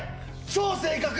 超正確！